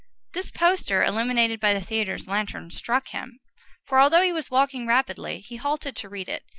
This poster, illuminated by the theatre lanterns, struck him; for, although he was walking rapidly, he halted to read it.